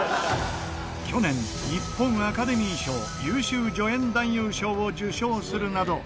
去年日本アカデミー賞優秀助演男優賞を受賞するなど